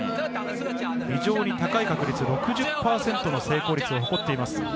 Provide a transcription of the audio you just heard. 非常に高い確率、６０％の成功率を誇っています。